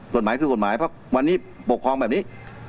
กฎหมายคือกฎหมายเพราะวันนี้ปกครองแบบนี้